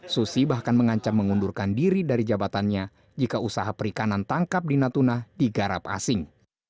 susi bahkan mengancam mengundurkan diri dari jabatannya jika usaha perikanan tangkap di natuna digarap asing